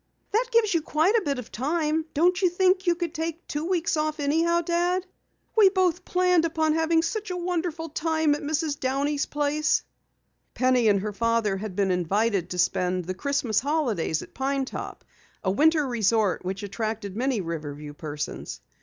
"That gives you quite a bit of time. Don't you think you could take two weeks off anyhow, Dad? We both planned upon having such a wonderful time at Mrs. Downey's place." Penny and her father had been invited to spend the Christmas holidays at Pine Top, a winter resort which attracted many Riverview persons.